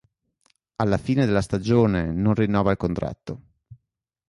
Alla fine della stagione non rinnova il contratto.